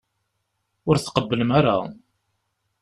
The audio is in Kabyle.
Ur tqebblem ara.